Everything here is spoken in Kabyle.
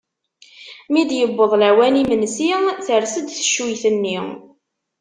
Mi d-yewweḍ lawan n yimensi ters-d teccuyt-nni.